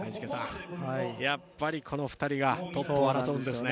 やっぱりこの２人がトップを争うんですね。